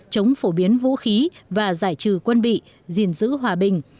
chống phổ biến vũ khí và giải trừ quân bị gìn giữ hòa bình